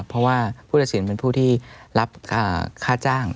เพราะว่าผู้ตัดสินเป็นผู้ที่รับค่าจ้าง